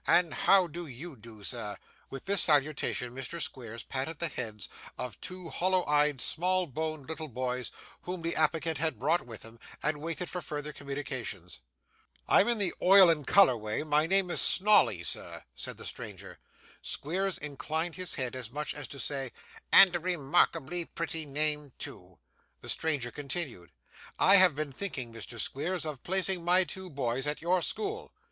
and how do you do, sir?' With this salutation Mr. Squeers patted the heads of two hollow eyed, small boned little boys, whom the applicant had brought with him, and waited for further communications. 'I am in the oil and colour way. My name is Snawley, sir,' said the stranger. Squeers inclined his head as much as to say, 'And a remarkably pretty name, too.' The stranger continued. 'I have been thinking, Mr. Squeers, of placing my two boys at your school.